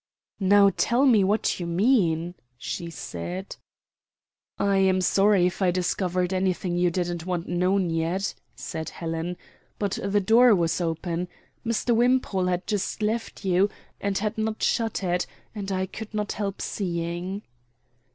"Now tell me what you mean," she said. "I am sorry if I discovered anything you didn't want known yet," said Helen, "but the door was open. Mr. Wimpole had just left you and had not shut it, and I could not help seeing."